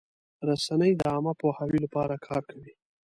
رسنۍ د عامه پوهاوي لپاره کار کوي.